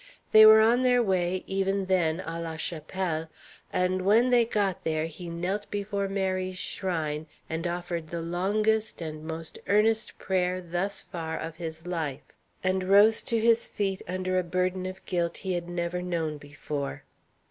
They were on their way even then à la chapelle; and when they got there he knelt before Mary's shrine and offered the longest and most earnest prayer, thus far, of his life, and rose to his feet under a burden of guilt he had never known before.